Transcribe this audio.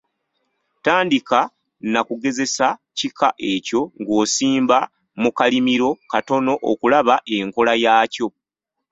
Tandika na kugezesa kika ekyo ng’okisimba mu kalimiro katono okulaba enkola yaakyo.